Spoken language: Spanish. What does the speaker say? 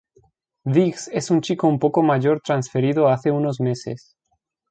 Diggs es un chico un poco mayor transferido hace unos meses.